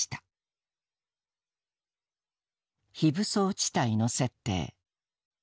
「非武装地帯の設定」。